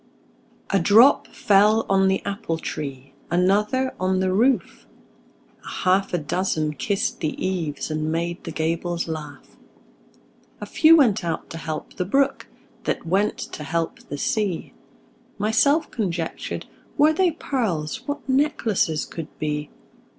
A drop fell on the apple tree, Another on the roof; A half a dozen kissed the eaves, And made the gables laugh. A few went out to help the brook, That went to help the sea. Myself conjectured, Were they pearls, What necklaces could be!